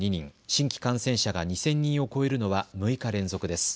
新規感染者が２０００人を超えるのは６日連続です。